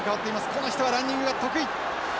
この人はランニングが得意。